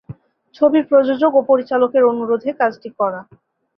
ছবির প্রযোজক ও পরিচালকের অনুরোধে কাজটি করা।